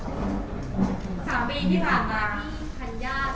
๓ปีที่ผ่านมาพี่ธัญญาเตือนเด็กคนนี้ไปผิด